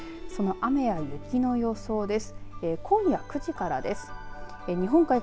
その雨や雪の予想です。